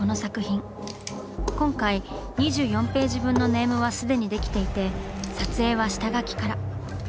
今回２４ページ分のネームは既にできていて撮影は下描きから。